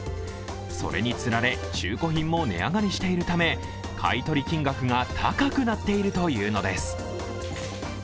それにつられ中古品も値上がりしているため買い取り金額が高くなっているというのです。